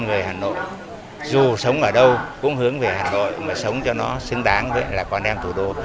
về hà nội dù sống ở đâu cũng hướng về hà nội mà sống cho nó xứng đáng với là con em thủ đô